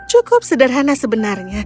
cukup sederhana sebenarnya